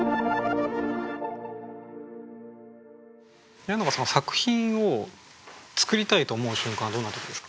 宮永さんは作品を作りたいと思う瞬間はどんな時ですか？